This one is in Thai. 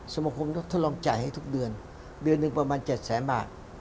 สมคมก็ทดลองจ่ายให้ทุกเดือนเดือนหนึ่งประมาณ๗แสนบาท